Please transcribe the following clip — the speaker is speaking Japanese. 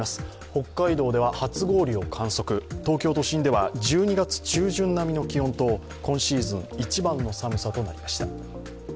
北海道では初氷を観測、東京都心では１２月中旬並みの気温と、今シーズン一番の寒さとなりました。